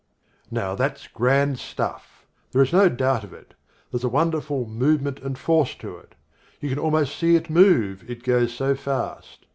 Now that's grand stuff. There is no doubt of it. There's a wonderful movement and force to it. You can almost see it move, it goes so fast.